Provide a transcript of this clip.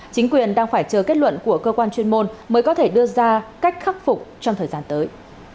chính quyền đang phải chờ kết luận của cơ quan chuyên môn mới có thể đưa ra cách khắc phục trong thời gian tới